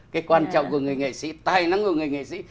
cái quan trọng của người nghệ sĩ tài năng của người nghệ sĩ